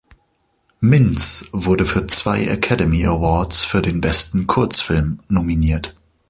Mintz wurde für zwei Academy Awards für den besten Kurzfilm nominiert.